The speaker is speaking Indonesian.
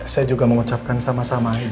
saya juga mengucapkan sama sama